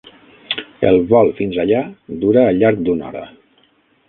El vol fins allà dura al llarg d'una hora.